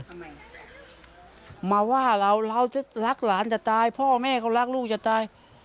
ทำไมมาว่าเราเราจะรักหลานจะตายพ่อแม่เขารักลูกจะตาย